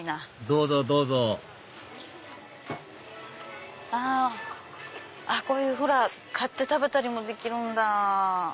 どうぞどうぞあこういうほら！買って食べたりもできるんだ！